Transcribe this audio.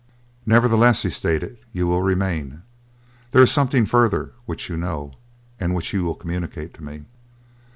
"Nevertheless," he stated, "you will remain. There is something further which you know and which you will communicate to me."